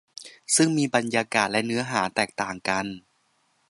ซึ่งมีบรรยากาศและเนื้อหาแตกต่างกัน